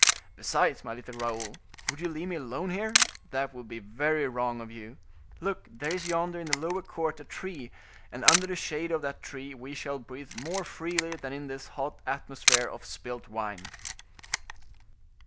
Besides, my little Raoul, would you leave me alone here? That would be very wrong of you. Look, there is yonder in the lower court a tree, and under the shade of that tree we shall breathe more freely than in this hot atmosphere of spilt wine."